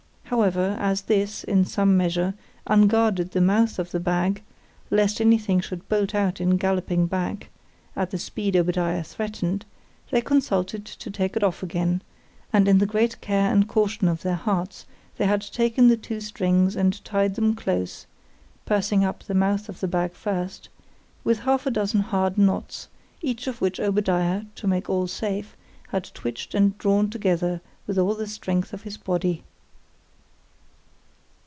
However, as this, in some measure, unguarded the mouth of the bag, lest any thing should bolt out in galloping back, at the speed Obadiah threatened, they consulted to take it off again: and in the great care and caution of their hearts, they had taken the two strings and tied them close (pursing up the mouth of the bag first) with half a dozen hard knots, each of which Obadiah, to make all safe, had twitched and drawn together with all the strength of his body.